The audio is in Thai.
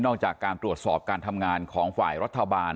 จากการตรวจสอบการทำงานของฝ่ายรัฐบาล